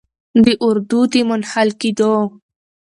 د اردو د منحل کیدو